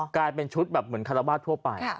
กลายเป็นชุดแบบเหมือนคารวาสทั่วไป